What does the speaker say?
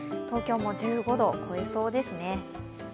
東京も１５度を超えそうですね。